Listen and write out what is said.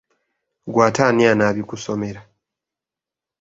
Ggwe ate ani anaabikusomera?